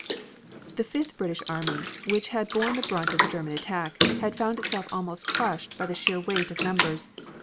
The Fifth British army, which had borne the brunt of the German attack, had found itself almost crushed by the sheer weight of numbers.